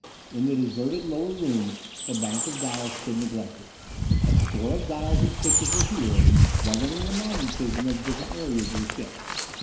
In the deserted lower room the bank of dials stood neglected. A score of dials and switches were here, governing the magnetism of different areas of the ship.